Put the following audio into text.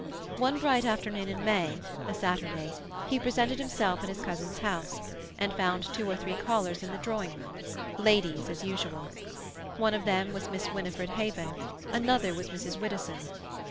One bright afternoon in May, a Saturday, he presented himself at his cousin's house, and found two or three callers in the drawing room, ladies as usual; one of them was Miss Winifred Haven, another was Mrs. Widdowson.